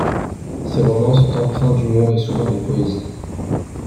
Ses romans sont empreints d'humour et souvent de poésie.